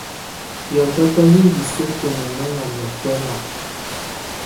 Hiɔtɔtɔ hi ndù sǝkǝ muŋɛŋa niɔ̀fɛna.